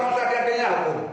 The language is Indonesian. tidak ada jawabannya